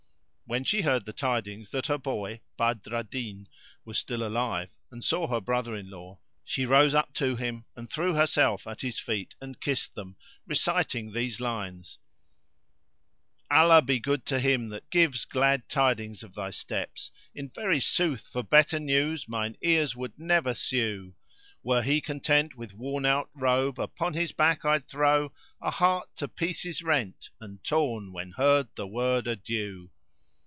When she heard the tidings that her boy, Badr al Din, was still alive and saw her brother in law, she rose up to him and threw herself at his feet and kissed them, reciting these lines:— "Allah be good to him that gives glad tidings of thy steps; * In very sooth for better news mine ears would never sue: Were he content with worn out robe, upon his back I'd throw * A heart to pieces rent and torn when heard the word Adieu."